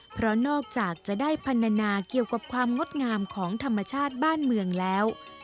เพราะนอกจากจะได้พันธนาเกี่ยวกับความงดงามของธรรมชาติบ้านเมืองแล้ว